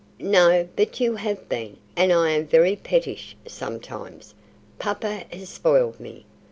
"No, but you have been, and I am very pettish, sometimes. Papa has spoiled me.